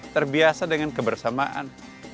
terbiasa dengan kebersamaan